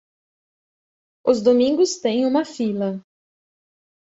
Os domingos têm uma fila.